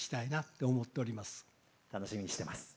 楽しみにしてます。